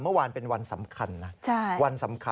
เมื่อวานเป็นวันสำคัญนะ